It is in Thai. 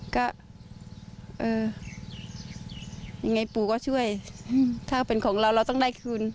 ก็เออยังไงปู่ก็ช่วยถ้าเป็นของเราเราต้องได้คืน